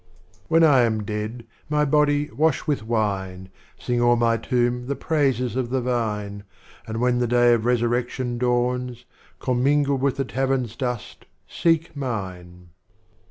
XI. When I am dead, my body wash with Wine, Sing o'er my tomb the praises of the Vine, And when the Day of Resurrection dawns, Commingled with the Tavern's dust, seek Mine.